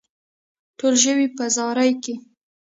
ټوله ژوي په زاري کې.